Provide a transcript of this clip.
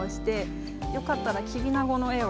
よかったらキビナゴの絵を。